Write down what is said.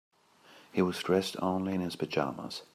He was dressed only in his pajamas.